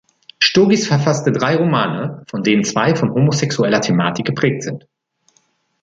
Sturgis verfasste drei Romane, von denen zwei von homosexueller Thematik geprägt sind.